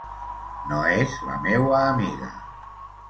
No és la meua amiga.